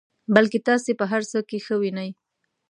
بلکې تاسو په هر څه کې ښه وینئ.